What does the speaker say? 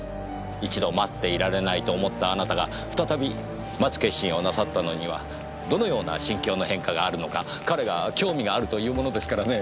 一度待っていられないと思ったあなたが再び待つ決心をなさったのにはどのような心境の変化があるのか彼が興味があると言うものですからね。